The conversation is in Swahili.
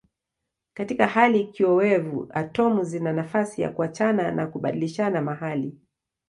Katika hali kiowevu atomu zina nafasi ya kuachana na kubadilishana mahali.